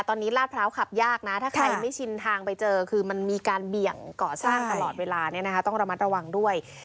ตอนนี้ลาดพร้าวขับยากนะถ้าใครไม่ชินทางไปเจอคือมันมีการเบี่ยงก่อสร้างตลอดเวลาเนี่ยนะคะต้องระมัดระวังด้วย